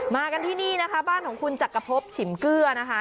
มากันที่นี่นะคะบ้านของคุณจักรพบฉิมเกลือนะคะ